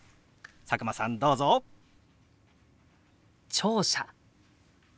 聴者。